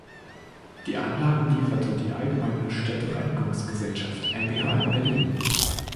Die Anlagen lieferte die "Allgemeine Städte-Reinigungsgesellschaft mbH" in Berlin.